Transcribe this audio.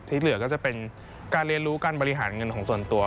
เหลือก็จะเป็นการเรียนรู้การบริหารเงินของส่วนตัว